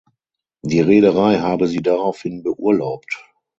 Die Reederei habe sie daraufhin beurlaubt.